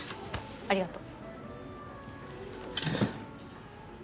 ありがとう。